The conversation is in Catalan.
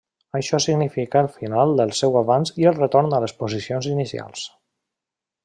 Això significa el final del seu avanç i el retorn a les posicions inicials.